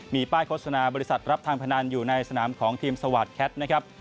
มีป้ายโฆษณาบริษัทรับทางพนันอยู่ในสนามของทีมสวาสแคทนะครับ